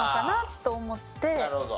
なるほど。